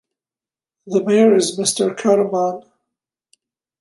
The mayor is Mr. Karremann.